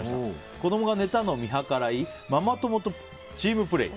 子供が寝たのを見計らいママ友とチームプレー。